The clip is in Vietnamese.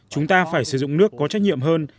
chúng ta phải sử dụng nước có trách nhiệm hơn